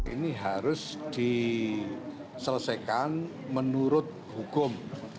ini harus diselesaikan menurut hukum